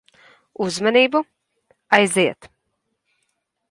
Uzmanību. Aiziet.